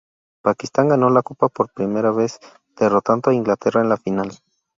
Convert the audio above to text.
Pakistán ganó la Copa por primero vez, derrotando a Inglaterra en la final.